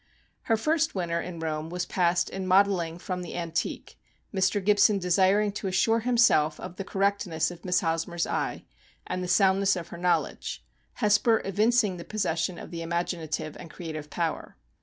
Her first winter in Rome was passed in modelling from the antique, Mr. Gibson desiring to assure himself of the correct ness of Miss Hosmer's eye, and the sound ness of her knowledge, Hesper evincing the possession of the imaginative and creative power.